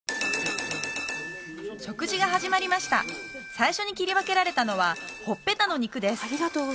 最初に切り分けられたのはほっぺたの肉です